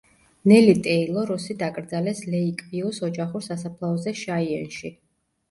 ნელი ტეილო როსი დაკრძალეს ლეიკვიუს ოჯახურ სასაფლაოზე შაიენში.